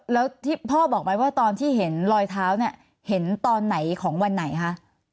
แล้วที่พ่อบอกไหมว่าตอนที่เห็นรอยเท้าเนี่ยเห็นตอนไหนของวันไหนคะ